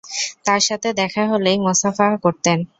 তার সাথে দেখা হলেই মোসাফাহা করতেন।